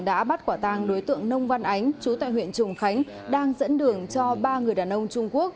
đã bắt quả tàng đối tượng nông văn ánh chú tại huyện trùng khánh đang dẫn đường cho ba người đàn ông trung quốc